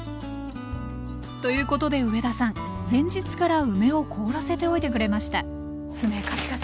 ということで上田さん前日から梅を凍らせておいてくれましたカチカチ？